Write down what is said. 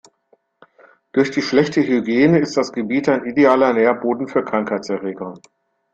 Durch die schlechte Hygiene ist das Gebiet ein idealer Nährboden für Krankheitserreger.